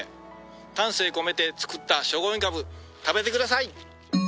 丹精込めて作った聖護院かぶ食べてください！